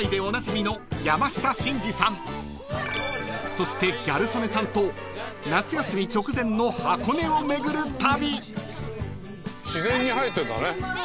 ［そしてギャル曽根さんと夏休み直前の箱根を巡る旅］